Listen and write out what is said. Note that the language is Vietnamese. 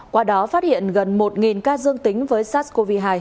qua đó phát hiện gần một ca dương tính với sars cov hai